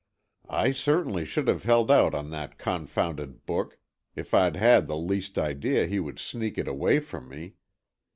"I certainly should have held out on that confounded book, if I'd had the least idea he would sneak it away from me!